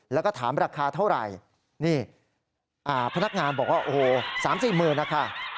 แล้วก็ถามราคาเท่าไหร่นี่พนักงานบอกว่าโอ้โห๓๔หมื่นนะคะ